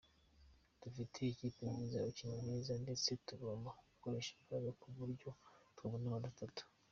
Dufite ikipe nziza, abakinnyi beza ndetse tugomba gukoresha imbaraga ku buryo twabona amanota atatu.